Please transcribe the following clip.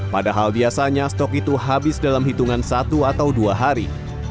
padahal biasanya stok itu habis dalam hitungan satu atau dua hari